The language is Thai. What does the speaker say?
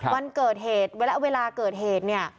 วันเกิดเหตุและเวลาเกิดเหตุ